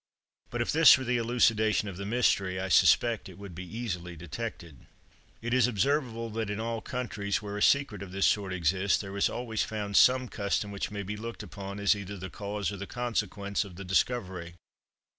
But if this were the elucidation of the mystery, I suspect it would be easily detected. It is observable that in all countries where a secret of this sort exists, there is always found some custom which may be looked upon as either the cause or the consequence of the discovery.